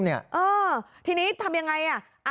เออทีนี้ทำยังไง